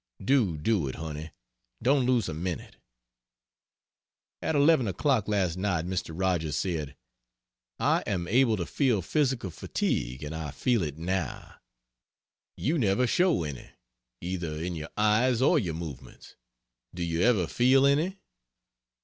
Do, do it, honey. Don't lose a minute. .... At 11 o'clock last night Mr. Rogers said: "I am able to feel physical fatigue and I feel it now. You never show any, either in your eyes or your movements; do you ever feel any?"